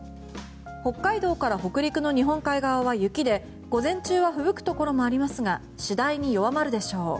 北海道から北陸の日本海側は雪で午前中はふぶくところもありますが次第に弱まるでしょう。